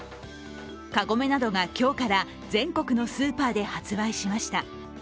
カゴメなどが今日から全国のスーパーで発売しました。